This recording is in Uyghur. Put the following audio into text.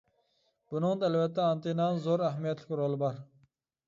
بۇنىڭدا ئەلۋەتتە ئانتېننانىڭ زور ئەھمىيەتلىك رولى بار.